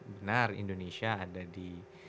benar indonesia ada di